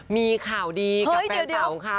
มีข่าวดีกับแฟนสาวของเขา